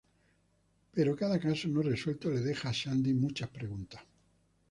Pero cada caso no resuelto le deja a Sandy muchas preguntas.